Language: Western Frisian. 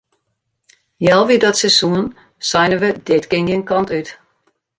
Healwei dat seizoen seinen we dit kin gjin kant út.